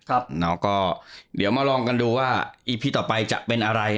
แล้วก็เดี๋ยวมาลองกันดูว่าอีพีต่อไปจะเป็นอะไร